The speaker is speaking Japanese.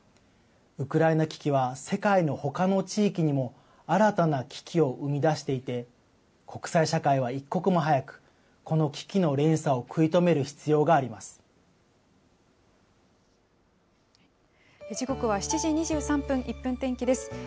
ウクライナ危機は、世界のほかの地域にも新たな危機を生み出していて、国際社会は一刻も早く、この危機の連鎖を食い止める必要が時刻は７時２３分、１分天気です。